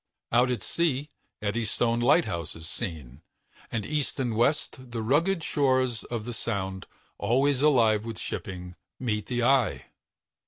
Out at sea, the Eddystone Lighthouse is seen, and east and west the rugged shores of the Sound, always alive with shipping, meet the eye.